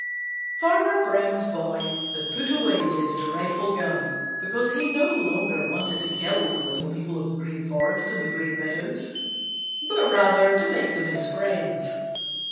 Farmer Brown's boy had put away his dreadful gun because he no longer wanted to kill the little people of the Green Forest and the Green Meadows, but rather to make them his friends.